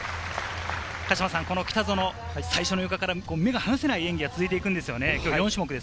北園、最初のゆかから目が離せない演技が続いて行くんですよね。